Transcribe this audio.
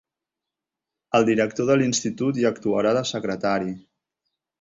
El director de l'Institut hi actuarà de secretari.